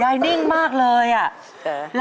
ายนิ่งมากเลยนะ